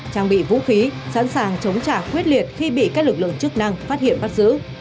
trang bị vũ khí sẵn sàng chống trả quyết liệt khi bị các lực lượng chức năng phát hiện bắt giữ